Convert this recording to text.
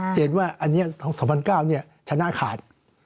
เจนว่าอันนี้๒๐๐๙ชนะขาด